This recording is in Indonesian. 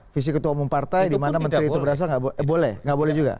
visi ketua umum partai dimana menteri itu berasal tidak boleh juga